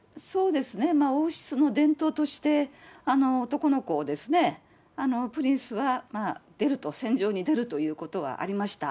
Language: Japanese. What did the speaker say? そうですね、王室の伝統として、男の子、プリンスは出ると、戦場に出るということはありました。